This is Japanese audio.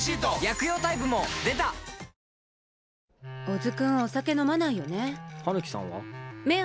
小津君お酒飲まないよね。